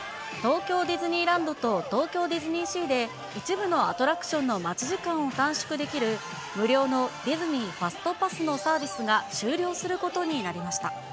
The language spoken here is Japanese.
東京ディズニーランドと東京ディズニーシーで、一部のアトラクションの待ち時間を短縮できる、無料のディズニー・ファストパスのサービスが終了することになりました。